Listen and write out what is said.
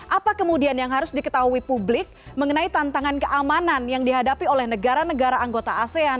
apa kemudian yang harus diketahui publik mengenai tantangan keamanan yang dihadapi oleh negara negara anggota asean